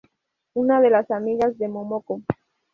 Una de las amigas de Momoko.